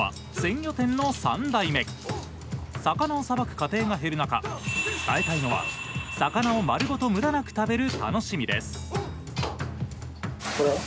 魚をさばく家庭が減る中伝えたいのは魚を丸ごとむだなく食べる楽しみです。